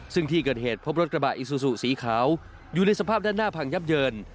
ซึ่งที่เกิดเหตุพบรถกระบะอิซูซูสีขาวอยู่ในสภาพด้านหน้าพังยับเยิน